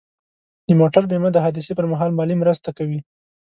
د موټر بیمه د حادثې پر مهال مالي مرسته کوي.